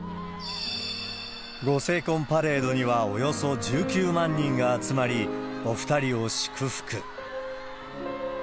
ご成婚パレードにはおよそ１９万人が集まり、お２人を祝福。